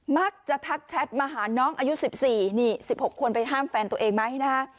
มักจะทักแชทมาหาน้องอายุ๑๔นี่๑๖คนไปห้ามแฟนตัวเองไหมนะคะ